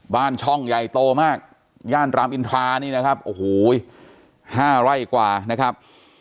บ้านช่องใหญ่โตมากย่านรามอินทรานี่นะครับโอ้โห๕ไร่กว่านะครับ